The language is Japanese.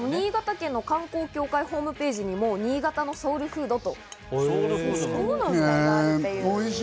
新潟県の観光協会のホームページにも、新潟のソウルフードだと。